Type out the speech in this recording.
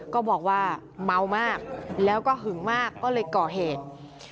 ก็บอกว่าเมามากแล้วก็หึงมากก็เลยก่อเหตุ